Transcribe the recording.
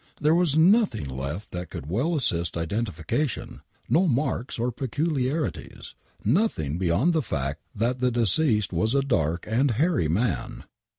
There was nothing left that could well assist identification — no marks or peculiarities — nothing beyond the fact that the de ceased was a dark and hairy man.